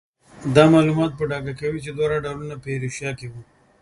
دا معلومات په ډاګه کوي چې دواړه ډولونه په ایروشیا کې وو.